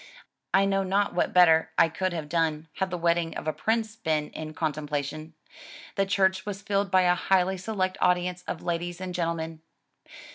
I know not what better I could have done had the wedding of a prince been in contem plation. The church was filled by a highly select audience of ladies and gentlemen.